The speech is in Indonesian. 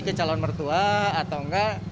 ke calon mertua atau enggak